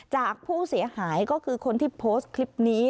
จากผู้เสียหายก็คือคนที่โพสต์คลิปนี้